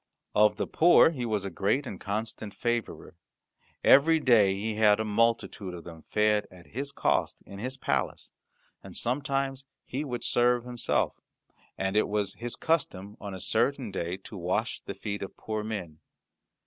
Of the poor he was a great and constant favourer. Every day he had a multitude of them fed at his cost in his palace, and sometimes he would serve himself, and it was his custom on a certain day to wash the feet of poor men.